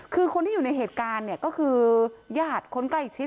คือคนที่อยู่ในเหตุการณ์ก็คือญาติคนใกล้อีกชีวิต